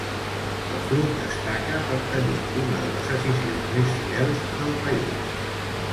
El club destaca per tenir una de les aficions més fidels del país.